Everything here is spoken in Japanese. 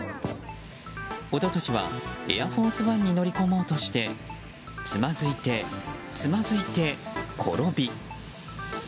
一昨年は「エアフォースワン」に乗り込もうとしてつまずいて、つまずいて転び。